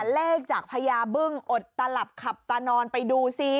เลขจากพญาบึ้งอดตลับขับตานอนไปดูซิ